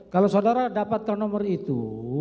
kalau saudara dapatkan nomor itu